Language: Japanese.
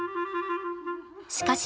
しかし